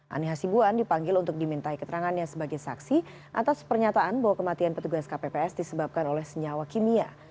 ani hasibuan dipanggil untuk dimintai keterangannya sebagai saksi atas pernyataan bahwa kematian petugas kpps disebabkan oleh senyawa kimia